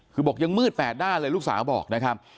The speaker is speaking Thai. คือบอกยังมืดแปดด้านเลยลูกสาวบอกนะครับ